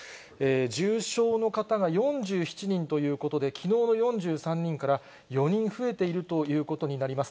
重症の方が４７人ということで、きのうの４３人から４人増えているということになります。